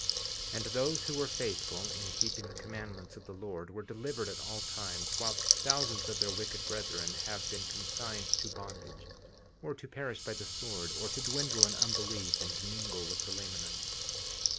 50:22 And those who were faithful in keeping the commandments of the Lord were delivered at all times, whilst thousands of their wicked brethren have been consigned to bondage, or to perish by the sword, or to dwindle in unbelief, and mingle with the Lamanites.